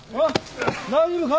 大丈夫か？